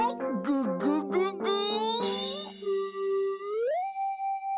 「ググググー」